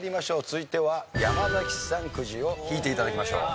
続いては山崎さんくじを引いて頂きましょう。